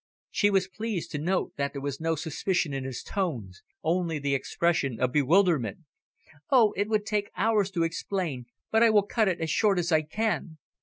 She was pleased to note that there was no suspicion in his tones, only the expression of bewilderment. "Oh, it would take hours to explain, but I will cut it as short as I can.